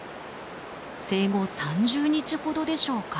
生後３０日ほどでしょうか。